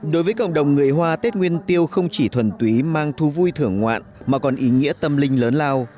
đối với cộng đồng người hoa tết nguyên tiêu không chỉ thuần túy mang thu vui thưởng ngoạn mà còn ý nghĩa tâm linh lớn lao